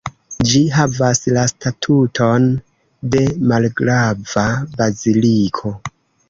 Ĝi havas la statuton de malgrava baziliko.